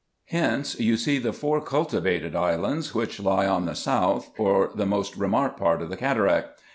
Hence you see the four cultivated islands, which lie on the south, or the most remote part of the cataract.